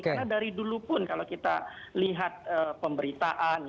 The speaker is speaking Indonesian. karena dari dulu pun kalau kita lihat pemberitaan